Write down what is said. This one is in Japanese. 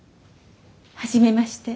初めまして。